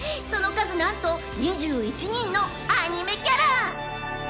［その数何と２１人のアニメキャラ］